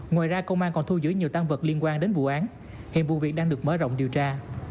ngoài ra công an còn thu giữ nhiều tăng vật liên quan đến vụ án hiện vụ việc đang được mở rộng điều tra